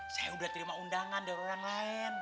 saya sudah terima undangan dari orang lain